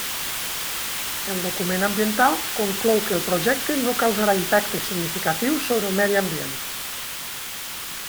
El document ambiental conclou que el projecte no causarà impactes significatius sobre el medi ambient.